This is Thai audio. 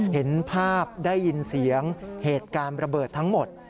เห็นภาพได้ยินเสียงเหตุการณ์ระเบิดทั้งหมด